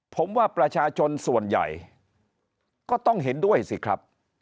ผมว่าประชาชนส่วนใหญ่ก็ต้องเห็นด้วยสิครับ